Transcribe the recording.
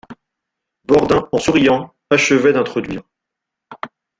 Boredain, en souriant, achevait d'introduire.